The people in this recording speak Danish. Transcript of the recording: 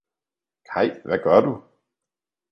Kay, hvad gør du!